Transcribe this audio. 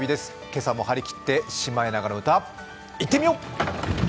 今朝も張りきって「シマエナガの歌」いってみよう。